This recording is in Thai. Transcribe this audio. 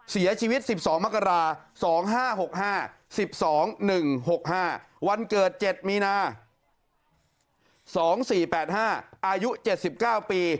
เสียชีวิต๑๒มกรา๒๕๖๕๑๒๑๖๕วันเกิด๗มีนา๒๔๘๕อายุ๗๙ปี